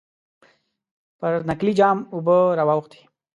پر نکلي جام اوبه را واوښتې.